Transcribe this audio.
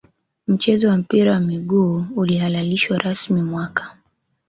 mchezo wa mpira wa miguu ulihalalishwa rasmi mwaka